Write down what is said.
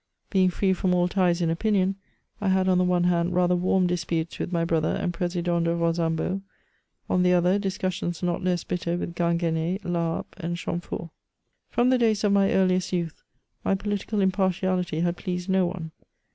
Being free from all ties in opinion, I had on the one hand rather warm disputes with my brother and President de Rosambo; on the other, discussions not less bitter with Ging^ene, Laharpe, and Chamfort. From the days of my earliest youth my political 226 MEMOTES OF impartialitj had pleased no one.